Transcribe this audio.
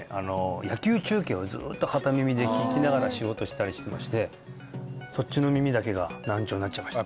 野球中継をずっと片耳で聞きながら仕事したりしてましてそっちの耳だけが難聴になっちゃいました